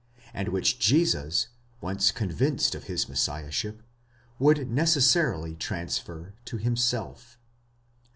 and which Jesus, once convinced of his Messiah ship, would necessarily transfer to himself.